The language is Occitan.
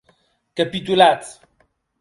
Capitulatz.